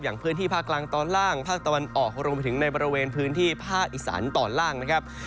พื้นที่ภาคกลางตอนล่างภาคตะวันออกรวมไปถึงในบริเวณพื้นที่ภาคอีสานตอนล่างนะครับ